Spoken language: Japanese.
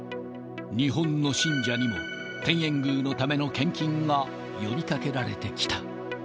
日本の信者にも、天苑宮のための献金が呼びかけられてきた。